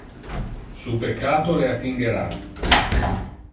Su peccato le attingera.